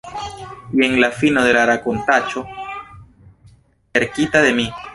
Jen la fino de la rakontaĉo verkita de mi.